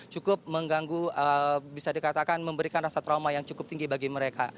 cukup mengganggu bisa dikatakan memberikan rasa trauma yang cukup tinggi bagi mereka